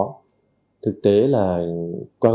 thực tế là qua công tác đấu tranh chúng tôi đã phát hiện